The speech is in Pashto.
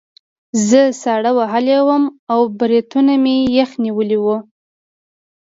زه ساړه وهلی وم او بریتونه مې یخ نیولي وو